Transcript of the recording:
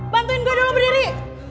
bantuin gua dulu berdiri